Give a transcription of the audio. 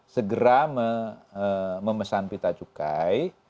segera memesan pita cukai